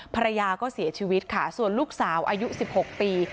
ภรรยาก็เสียชีวิตค่ะส่วนลูกสาวอายุ๑๖ปี